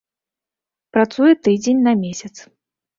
Працуе тыдзень на месяц.